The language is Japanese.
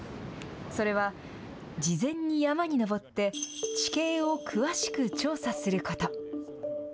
それは、事前に山に登って、地形を詳しく調査すること。